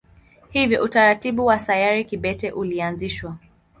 Hivyo utaratibu wa sayari kibete ulianzishwa.